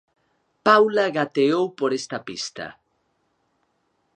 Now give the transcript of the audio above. Paula gateou por esta pista.